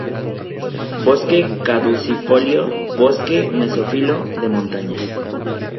Bosque caducifolio, bosque mesófilo de montaña.